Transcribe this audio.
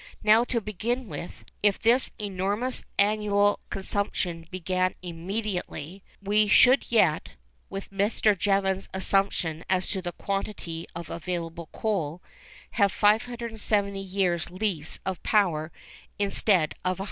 Now, to begin with, if this enormous annual consumption began immediately, we should yet (with Mr. Jevons's assumption as to the quantity of available coal) have 570 years' lease of power instead of 110.